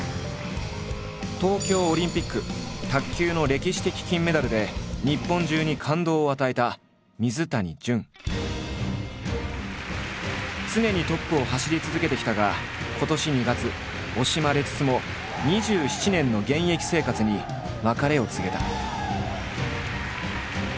東京オリンピック卓球の歴史的金メダルで日本中に感動を与えた常にトップを走り続けてきたが今年２月惜しまれつつも２７年の現役生活に別れを告げた。